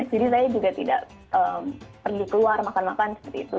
jadi saya juga tidak pergi keluar makan makan seperti itu